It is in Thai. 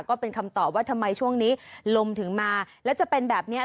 ก็เป็นคำตอบว่าทำไมช่วงนี้ลมถึงมาแล้วจะเป็นแบบนี้